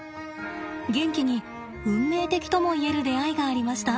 ゲンキに運命的とも言える出会いがありました。